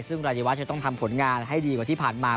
ซึ่งรายวัชจะต้องทำผลงานให้ดีกว่าที่ผ่านมา